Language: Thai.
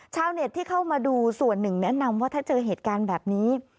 ชาวเน็ตที่เข้ามาดูส่วนหนึ่งแนะนำว่าถ้าเจอเหตุการณ์แบบนี้